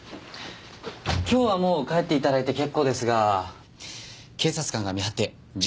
今日はもう帰って頂いて結構ですが警察官が見張って巡回もします。